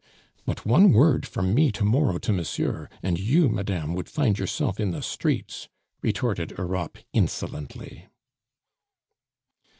"But one word from me to morrow to monsieur, and you, madame, would find yourself in the streets," retorted Europe insolently.